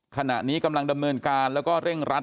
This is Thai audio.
ขณะนี้กำลังดำเนินการแล้วก็เร่งรัด